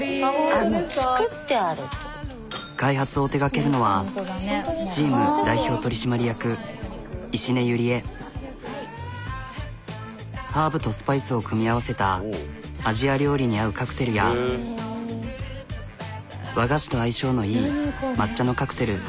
開発を手がけるのはハーブとスパイスを組み合わせたアジア料理に合うカクテルや和菓子と相性のいい抹茶のカクテル。